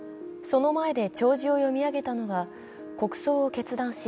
その前で弔辞を読み上げたのは、国葬を決断し、